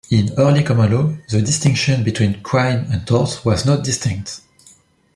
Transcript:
In early common law, the distinction between crime and tort was not distinct.